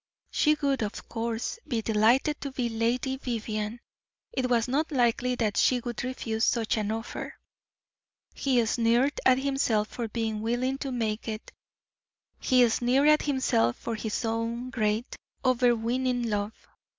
She would, of course, be delighted to be Lady Vivianne; it was not likely that she would refuse such an offer. He sneered at himself for being willing to make it; he sneered at himself for his own great, overweening love.